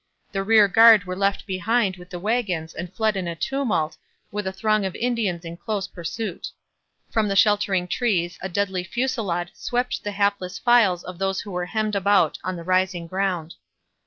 The rear guard were left behind with the wagons and fled in a tumult, with a throng of Indians in close pursuit. From the sheltering trees a deadly fusillade swept the hapless files of those who were hemmed about on the rising ground.